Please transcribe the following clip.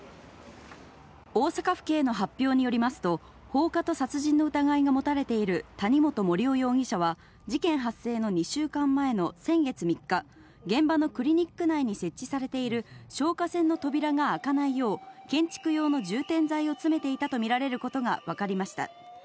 大阪府警の発表によりますと、放火と殺人の疑いが持たれている谷本盛雄容疑者は、事件発生の２週間前の先月３日、現場のクリニック内に設置されている消火栓の扉が開かないよう、建築用の充填剤を詰めていたと見られることが分かりました。